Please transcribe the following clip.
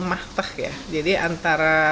maktah ya jadi antara